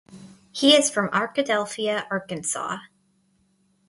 He is from Arkadelphia, Arkansas.